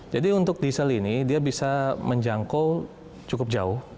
jadi untuk diesel ini dia bisa menjangkau cukup jauh